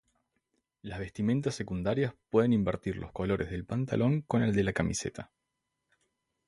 Las vestimentas secundarias puede invertir los colores del pantalón con el de la camiseta.